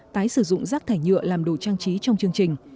tái sử dụng rác thải nhựa làm đồ trang trí trong chương trình